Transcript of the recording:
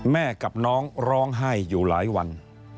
แม่กับน้องร้องไห้อยู่หลายวัน